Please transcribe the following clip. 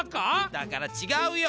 だからちがうよ！